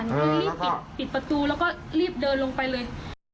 คือรีบปิดประตูแล้วก็รีบเดินลงไปเลย